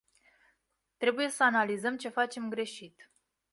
Trebuie să analizăm ce facem greșit.